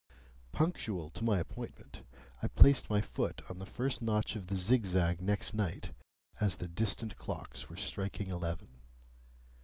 Punctual to my appointment, I placed my foot on the first notch of the zigzag next night, as the distant clocks were striking eleven.